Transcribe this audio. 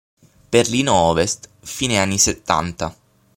Berlino Ovest, fine anni settanta.